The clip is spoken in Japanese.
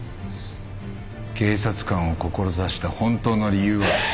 警察官を志した本当の理由は？